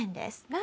何？